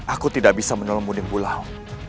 aku tidak bisa menolong mudik bulau